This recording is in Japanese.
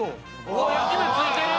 うわあ焼き目ついてる！